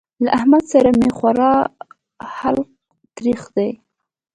له احمد سره مې خورا حلق تريخ دی.